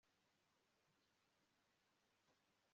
mukuru wanjye yaduteguriye byose